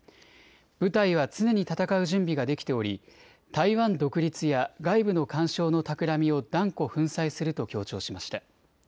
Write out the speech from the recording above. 部隊は常に戦う準備ができており台湾独立や外部の干渉のたくらみを断固、粉砕すると強調しました。